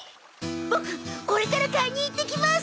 ボクこれから買いに行ってきます！